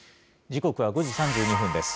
時刻は５時３２分です。